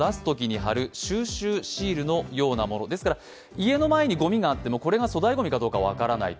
家の前にごみがあっても、これがごみかどうか分からないと。